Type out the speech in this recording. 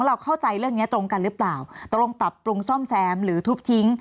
เราเข้าใจเรื่องเนี้ยตรงกันหรือเปล่าตรงปรับปรุงซ่อมแซมหรือทุบทิ้ง